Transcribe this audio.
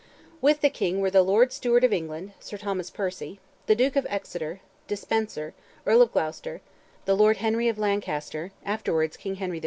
With the King were the Lord Steward of England, Sir Thomas Percy; the Duke of Exeter; De Spencer, Earl of Gloucester; the Lord Henry of Lancaster, afterwards King Henry V.